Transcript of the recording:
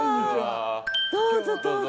どうぞどうぞ。